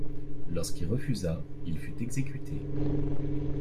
Lorsqu'il refusa, il fut exécuté.